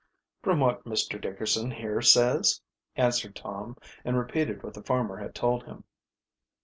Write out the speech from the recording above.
"From what Mr. Dickerson here says," answered Tom, and repeated what the farmer had told him.